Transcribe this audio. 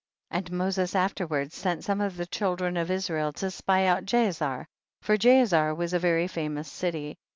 29. Moses afterward sent some of the children of Israel to spy out Jaa zer, for Jaazer was a very famous city.